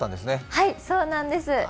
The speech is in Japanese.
はい、そうなんです。